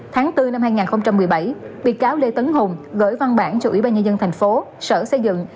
tháng bốn năm hai nghìn một mươi bảy bị cáo lê tấn hùng gửi văn bản cho ủy ban nhân dân thành phố sở xây dựng